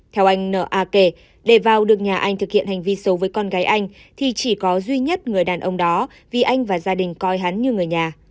theo anh na kể để vào được nhà anh thực hiện hành vi xấu với con gái anh thì chỉ có duy nhất người đàn ông đó vì anh và gia đình coi hắn như người nhà